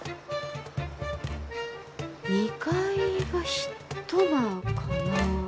２階が１間かな？